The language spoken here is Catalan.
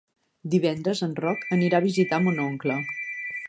Divendres en Roc anirà a visitar mon oncle.